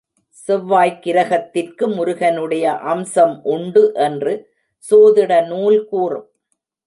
செவ்வாய்க் கிரகத்திற்கு முருகனுடைய அம்சம் உண்டு என்று சோதிட நூல் கூறும்.